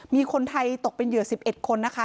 มีคนไทยตกเป็นเหยื่อสิบเอ็ดคนนะคะ